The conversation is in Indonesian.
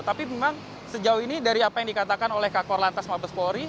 tapi memang sejauh ini dari apa yang dikatakan oleh kakor lantas mabes polri